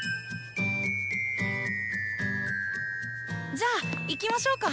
じゃあ行きましょうか。